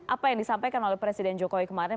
apa yang disampaikan oleh presiden jokowi kemarin